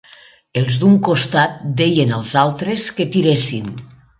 Els de un costat, deien als altres que tiressin